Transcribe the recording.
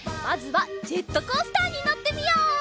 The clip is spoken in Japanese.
まずはジェットコースターにのってみよう！